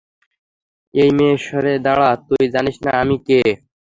এই মেয়ে সরে দাঁড়া, তুই জানিস না আমি কে।